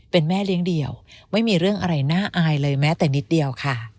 เป็นแม่เลี้ยงเดี่ยวไม่มีเรื่องอะไรน่าอายเลยแม้แต่นิดเดียวค่ะ